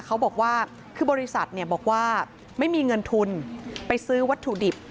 เขาบอกว่าคือบริษัทบอกว่าไม่มีเงินทุนไปซื้อวัตถุดิบ